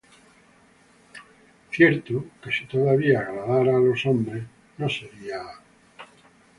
Cierto, que si todavía agradara á los hombres, no sería siervo de Cristo.